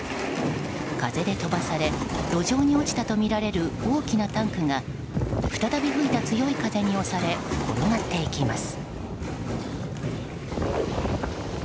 風で飛ばされ路上に落ちたとみられる大きなタンクが再び吹いた強い風に押され転がっていきます。